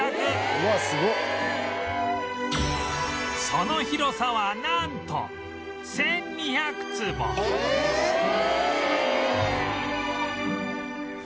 その広さはなんと１２００坪！ええーっ！